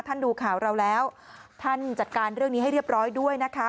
ดูข่าวเราแล้วท่านจัดการเรื่องนี้ให้เรียบร้อยด้วยนะคะ